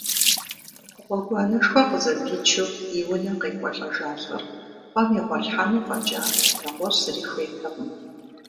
Гъуэгуанэшхуэ къызэпичу и унэ къекӏуалӏэжа лӏыр пӏэм игъуэлъхьэну фӏэкӏа нэгъуэщӏ зыри хуейтэкъым.